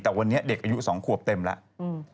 แต่วันนี้เด็กอายุ๒ขวบเต็มแล้ว